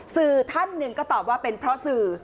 สื่อท่านหนึ่งก็ตอบว่าเป็นเพราะสื่อ